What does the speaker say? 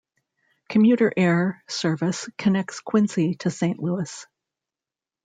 Commuter air service connects Quincy to Saint Louis.